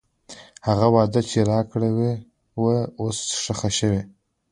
هغه وعده چې راکړې وه، اوس ښخ شوې.